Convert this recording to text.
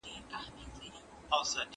سیر وکړه؟